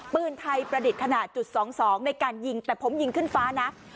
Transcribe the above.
ปืนไทยประดิษฐ์ขนาดจุด๒๒ในการยิงแต่ผมยิงขึ้นฟ้านะ